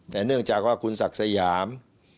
แต่เนื่องจากว่าคุณศักดิ์สยาม